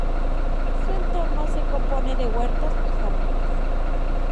Su entorno se compone de huertos y jardines.